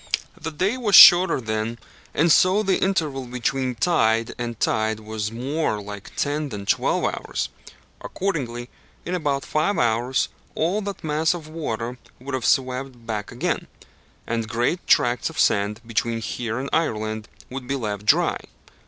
The day was shorter then, and so the interval between tide and tide was more like ten than twelve hours. Accordingly, in about five hours, all that mass of water would have swept back again, and great tracts of sand between here and Ireland would be left dry.